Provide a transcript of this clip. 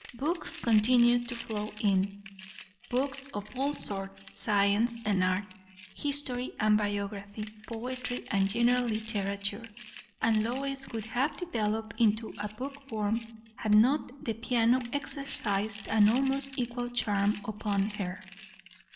Books continued to flow in; books of all sorts science and art, history and biography, poetry and general literature. And Lois would have developed into a bookworm, had not the piano exercised an almost equal charm upon her.